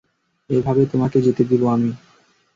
এভাবে তোমাকে যেতে দিবো আমি।